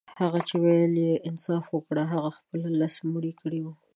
هغه چي ويل يې انصاف وکړئ هغه خپله لس مړي کړي وه.